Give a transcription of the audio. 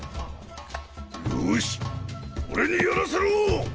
よし俺にやらせろ！